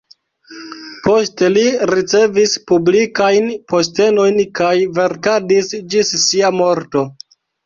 Poste li ricevis publikajn postenojn kaj verkadis ĝis sia morto.